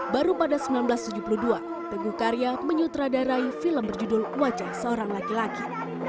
baru pada seribu sembilan ratus tujuh puluh dua teguh karya menyutradarai film berjudul wajah seorang laki laki